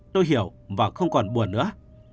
tôi hiểu và không còn buồn nữa